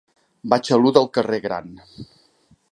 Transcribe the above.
Vaig a l'u del carrer Gran.